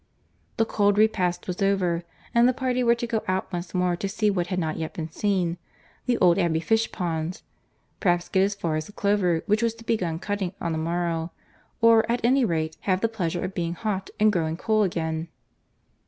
The cold repast was over, and the party were to go out once more to see what had not yet been seen, the old Abbey fish ponds; perhaps get as far as the clover, which was to be begun cutting on the morrow, or, at any rate, have the pleasure of being hot, and growing cool again.